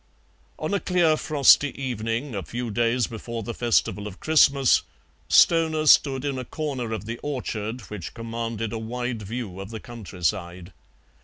On a clear frosty evening, a few days before the festival of Christmas, Stoner stood in a corner of the orchard which commanded a wide view of the countryside.